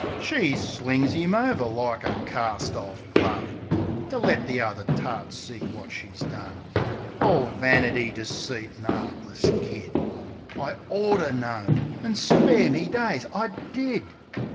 She slings 'im over like a carst orf glove. To let the other tarts see wot she's done. All vanity, deceit an' 'eartless kid! I orter known; an', spare me days, I did!